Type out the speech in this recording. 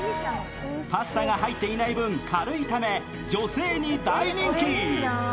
パスタが入っていない分、軽いため女性に大人気。